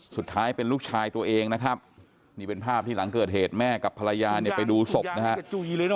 สุดท้ายเป็นลูกชายตัวเองนะครับนี่เป็นภาพที่หลังเกิดเหตุแม่กับภรรยาเนี่ยไปดูศพนะครับ